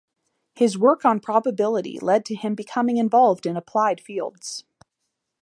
His work on probability led to him becoming involved in applied fields.